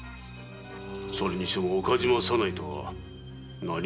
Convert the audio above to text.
それにしても岡島左内とは何者？